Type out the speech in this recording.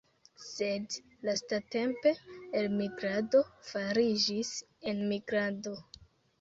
Sed lastatempe elmigrado fariĝis enmigrado.